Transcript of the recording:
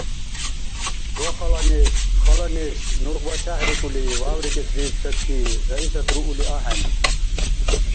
– Ва хала неш! Хала неш! – нургъба чяхӀрикӀули, вяврикӀесрииб Саки. – Раисат руули ахӀен.